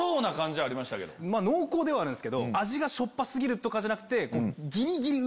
濃厚ではあるんですけど味がしょっぱ過ぎるとかじゃなくて。